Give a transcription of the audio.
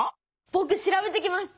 ぼく調べてきます。